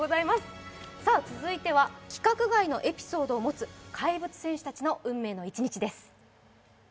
続いては、規格外のエピソードを持つ怪物選手たちの運命の一日です。